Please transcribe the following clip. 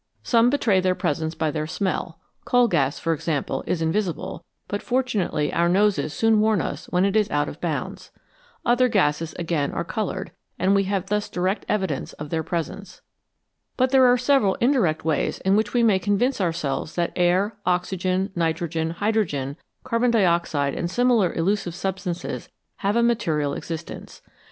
Some betray their 39 INVISIBLE SUBSTANCES presence by their smell ; coal gas, for example, is invisible, but fortunately our noses soon warn us when it is out of bounds. Other gases, again, are coloured, and we have thus direct evidence of their presence. But there are several indirect ways in which we may convince ourselves that air, oxygen, nitrogen, hydrogen, carbon dioxide, and similar elusive substances have a material existence.